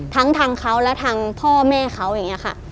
ทั้งทางเขาและทางพ่อแม่เขาอย่างนี้ค่ะ